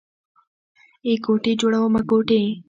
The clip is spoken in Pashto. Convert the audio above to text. ای کوټې جوړومه کوټې.